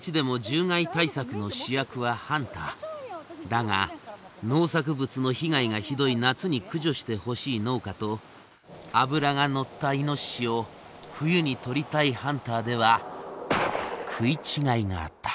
だが農作物の被害がひどい夏に駆除してほしい農家と脂が乗ったイノシシを冬にとりたいハンターでは食い違いがあった。